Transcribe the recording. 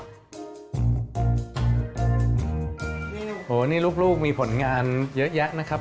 โอ้โหนี่ลูกมีผลงานเยอะแยะนะครับ